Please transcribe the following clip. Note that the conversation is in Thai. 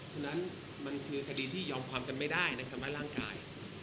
ฉะนั้นมันคือคดีที่ยอมความกันไม่ได้นะครับว่าร่างกาย